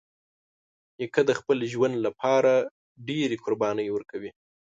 نیکه د خپل ژوند له پاره ډېری قربانۍ ورکوي.